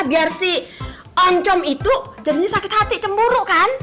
biar si oncom itu jadinya sakit hati cemburu kan